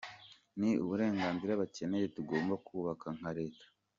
Ni uburenganzira bakeneye tugomba kubaka nka Leta.